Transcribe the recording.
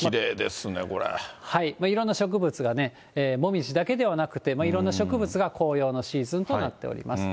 いろんな植物がね、紅葉だけではなくて、いろんな植物が紅葉のシーズンとなっています。